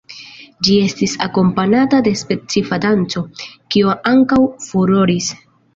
Ĝi estis akompanata de specifa danco, kiu ankaŭ furoris.